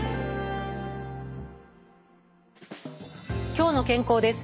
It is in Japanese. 「きょうの健康」です。